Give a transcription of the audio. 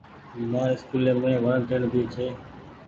همآر اسڪولي مين وڻ ٽيئڻ ڀي ڇي۔